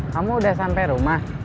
kamu udah sampai rumah